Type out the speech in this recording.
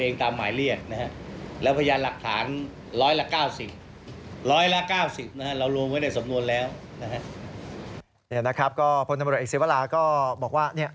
เนี่ยนะครับก็พลตำรวจเอกศีวราก็บอกว่า